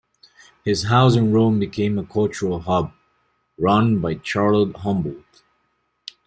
His house in Rome became a cultural hub, run by Charlotte Humboldt.